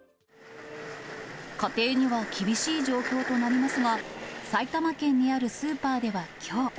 家庭には厳しい状況となりますが、埼玉県にあるスーパーではきょう。